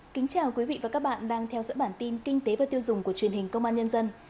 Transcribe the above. kính chào quý vị và các bạn đang theo dõi bản tin kinh tế và tiêu dùng của truyền hình công an nhân dân